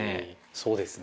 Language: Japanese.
そうですね。